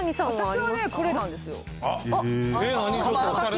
私はね、これなんですよ。